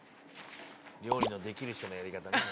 料理のできる人のやり方ね。